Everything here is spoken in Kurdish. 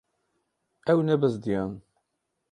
Ew nebizdiyan.